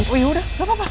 ui udah gapapa